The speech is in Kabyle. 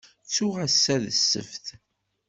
Ttuɣ ass-a d ssebt.